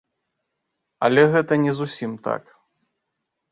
Але гэта не зусім так.